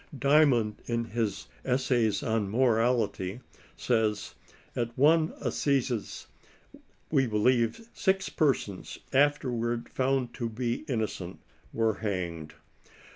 Dymond, in his Es says on Morality, says, " at one assizes, we believe, six persons, afterward found to be innocent, were hanged."